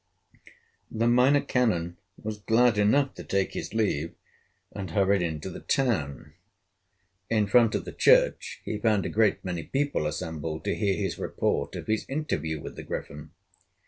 The Minor Canon was glad enough to take his leave, and hurried into the town. In front of the church he found a great many people assembled to hear his report of his interview with the Griffin.